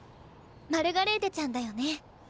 マルガレーテちゃんだよね？